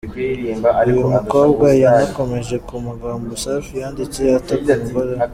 Uyu mukobwa yanakomoje ku magambo Safi yanditse ataka umugore we.